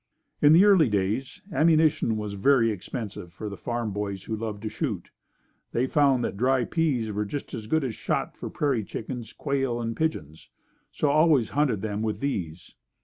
In the early days ammunition was very expensive for the farmer boys who loved to shoot. They found that dried peas were just as good as shot for prairie chicken, quail and pigeons, so always hunted them with these.